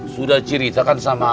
sudah ceritakan sama